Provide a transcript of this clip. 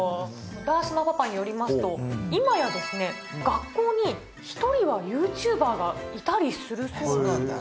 だーしまパパによりますと今や学校に１人はＹｏｕＴｕｂｅｒがいたりするそうなんですよ。